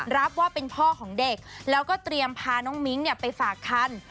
รับว่าเป็นพ่อของเด็กแล้วก็เตรียมพาน้องมิ้งไปฝากคัน